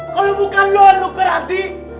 kalo bukan lo yang nuker ardi